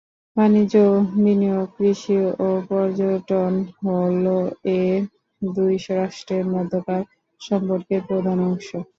বাণিজ্য ও বিনিয়োগ, কৃষি ও পর্যটন হল এ দুই রাষ্ট্রের মধ্যকার সম্পর্কের প্রধান অংশ।